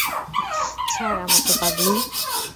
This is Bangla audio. ছাড় আমাকে পাগলি।